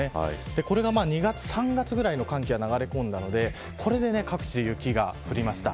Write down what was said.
これが２月、３月ぐらいの寒気が流れ込んだのでこれで各地、雪が降りました。